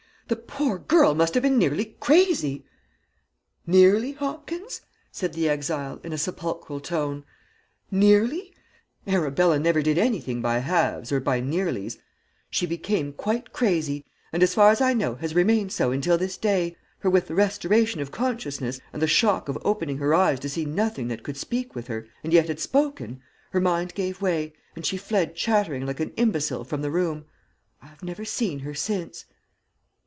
The poor girl must have been nearly crazy." "Nearly, Hopkins?" said the exile, in a sepulchral tone. "Nearly? Arabella never did anything by halves or by nearlies. She became quite crazy, and as far as I know has remained so until this day, for with the restoration of consciousness, and the shock of opening her eyes to see nothing that could speak with her, and yet had spoken, her mind gave way, and she fled chattering like an imbecile from the room. I have never seen her since!"